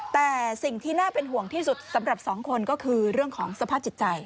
แต่สิ่งที่น่าเป็นห่วงที่สุดสำหรับสองคนก็คือเรื่องของสภาพจิตใจ